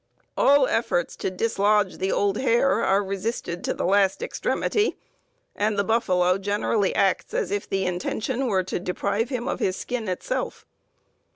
All efforts to dislodge the old hair are resisted to the last extremity, and the buffalo generally acts as if the intention were to deprive him of his skin itself.